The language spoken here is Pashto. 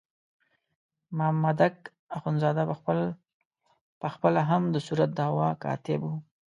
مامدک اخندزاده په خپله هم د صورت دعوا کاتب وو.